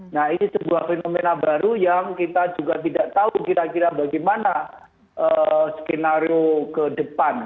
nah ini sebuah fenomena baru yang kita juga tidak tahu kira kira bagaimana skenario ke depan